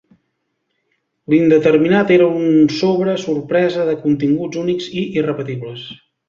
L'indeterminat era un sobre sorpresa de continguts únics i irrepetibles.